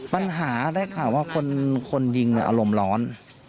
ปัญหาได้ข่าวว่าคนยิงอารมณ์ร้อน